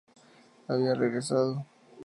Había regresado.